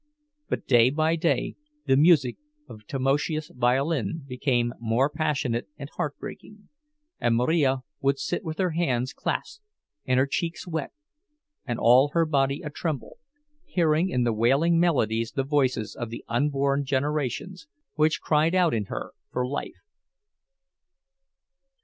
But day by day the music of Tamoszius' violin became more passionate and heartbreaking; and Marija would sit with her hands clasped and her cheeks wet and all her body a tremble, hearing in the wailing melodies the voices of the unborn generations which cried out in her for life.